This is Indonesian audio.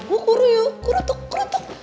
gue kuru yuk kuru tuk kuru tuk